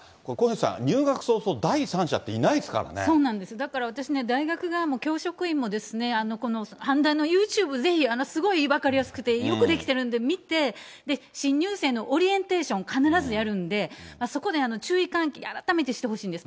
だから、私ね、大学側も教職員も、阪大のユーチューブ、すごい分かりやすくて、よく出来てるんで、見て、新入生のオリエンテーション、必ずやるので、そこで注意喚起、改めてしてほしいんです。